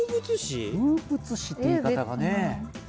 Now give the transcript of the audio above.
風物詩って言い方がね。